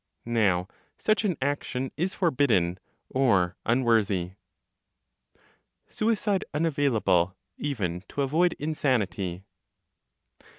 Now such an action is forbidden, or unworthy. SUICIDE UNAVAILABLE EVEN TO AVOID INSANITY.